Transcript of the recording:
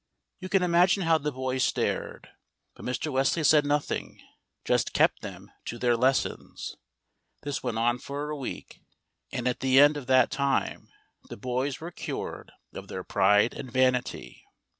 You can imagine how the boys stared; but Mr. Wesley said nothing, just kept them to their lessons. This went on for a week, and at the end of that time the boys were cured of their pride and vanity.